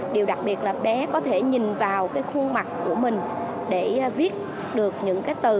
điều đặc biệt là bé có thể nhìn vào khuôn mặt của mình để viết được những từ